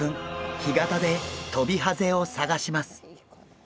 干潟でトビハゼを探します。